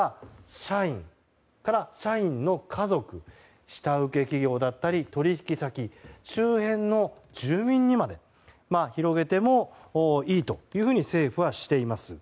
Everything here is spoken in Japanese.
社員それから社員の家族下請け企業だったり取引先、周辺の住民にまで広げてもいいというふうに政府はしています。